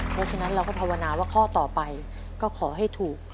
เพราะฉะนั้นเราก็ภาวนาว่าข้อต่อไปก็ขอให้ถูก